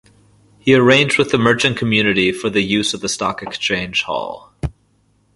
He arranged with the merchant community for the use of the Stock Exchange Hall.